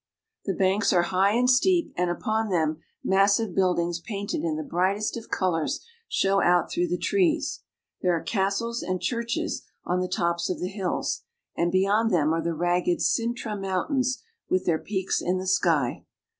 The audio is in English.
The banks are high and steep, and upon them massive buildings painted in the brightest of colors show out through the trees. There are castles and churches on the tops of the hills, and beyond them are the ragged Cintra Mountains, with their peaks in the sky.